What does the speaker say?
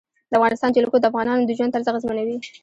د افغانستان جلکو د افغانانو د ژوند طرز اغېزمنوي.